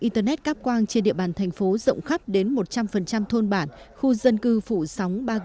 internet cắp quang trên địa bàn thành phố rộng khắp đến một trăm linh thôn bản khu dân cư phủ sóng ba g